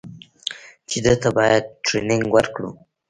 چې ده ته بايد ټرېننگ ورکړو.